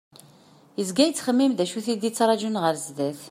Yezga yettxemmim d acu it-id-ttrajun ɣer sdat.